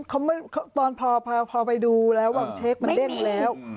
เขาตอนพอไปดูแล้วว่าเช็คมันเด้งแล้ว